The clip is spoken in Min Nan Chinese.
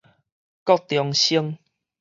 國中生